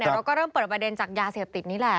เราก็เริ่มเปิดประเด็นจากยาเสพติดนี่แหละ